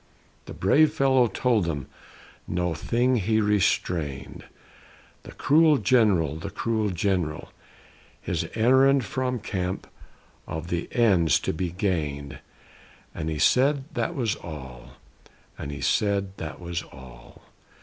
The brave fellow told them, no thing he restrain'd, The cruel gen'ral; the cruel gen'ral. His errand from camp, of the ends to be gain'd, And said that was all; and said that was all.